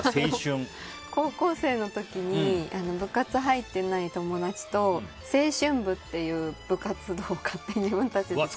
高校生の時に部活入ってない友達と青春部っていう部活動を勝手に自分たちで作って。